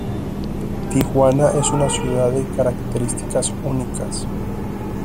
Tijuana es una ciudad de características únicas.